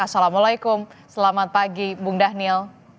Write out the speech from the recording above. assalamualaikum selamat pagi bung daniel